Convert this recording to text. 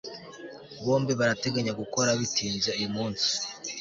bombi barateganya gukora bitinze uyu munsi